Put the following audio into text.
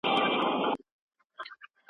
د پرېشانۍ لاملونه بايد څنګه په ګوته سي؟